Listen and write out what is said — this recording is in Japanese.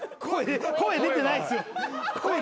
声出てないっすよ。